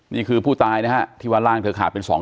นี่คือผู้ตายนะฮะที่วันล่างเธอขาดเป็น๒ท่อน